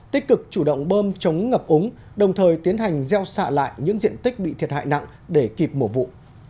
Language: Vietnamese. tích cực chủ động bơm chống ngập úng đồng thời tiến hành gieo xạ lại những diện tích bị thiệt hại nặng để kịp mổ vụ